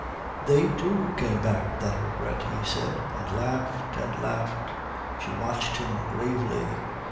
"They, too, came back without a regret," he said; and laughed and laughed. She watched him gravely.